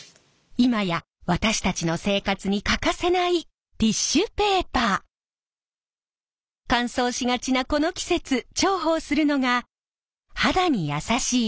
今や私たちの生活に欠かせない乾燥しがちなこの季節重宝するのが肌に優しい保湿タイプのティッシュ。